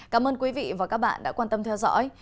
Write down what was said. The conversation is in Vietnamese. cảm ơn quý vị và các bạn đã quan tâm theo dõi